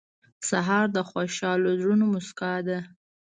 سهار د خوشحال زړونو موسکا ده.